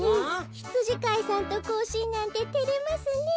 ひつじかいさんとこうしんなんててれますねえ。